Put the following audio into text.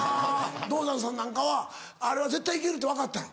ＤＯＺＡＮさんなんかはあれは絶対いけるって分かったの？